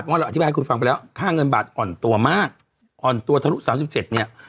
เพราะเราอธิบายให้คุณฟังไปแล้วค่าเงินบาทอ่อนตัวมากอ่อนตัวทะลุ๓๗เนี่ย